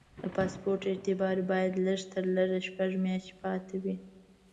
د پاسپورټ اعتبار باید لږ تر لږه شپږ میاشتې پاتې وي.